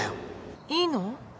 いいの？